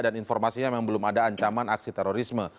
dan informasinya memang belum ada ancaman aksi terorisme